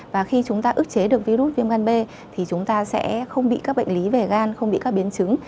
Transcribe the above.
và khi chúng ta ước chế được virus viêm gan b thì chúng ta sẽ không bị các bệnh lý về gan không bị các biến chứng